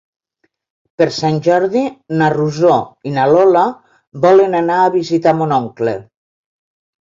Per Sant Jordi na Rosó i na Lola volen anar a visitar mon oncle.